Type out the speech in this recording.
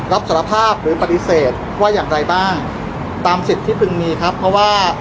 พี่แจงในประเด็นที่เกี่ยวข้องกับความผิดที่ถูกเกาหา